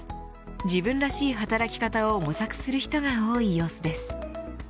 自分らしい働き方を模索する人が多い様子です。